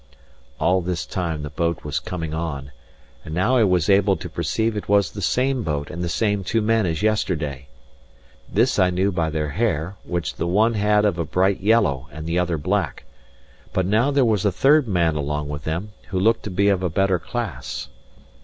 All this time the boat was coming on; and now I was able to perceive it was the same boat and the same two men as yesterday. This I knew by their hair, which the one had of a bright yellow and the other black. But now there was a third man along with them, who looked to be of a better class.